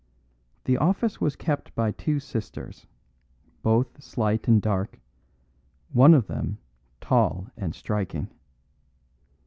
The office was kept by two sisters, both slight and dark, one of them tall and striking.